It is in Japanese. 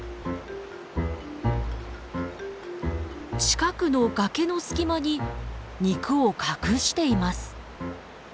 近くの崖の隙間に肉を隠しています。